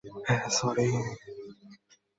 হ্যাঁ, স্যরি।